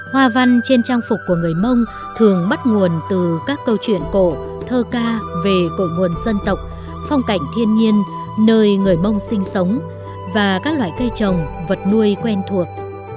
hoa văn trên trang phục của người mông thường bắt nguồn từ các câu chuyện cổ thơ ca về cội nguồn dân tộc phong cảnh thiên nhiên nơi người mông sinh sống và các loại cây trồng vật nuôi quen thuộc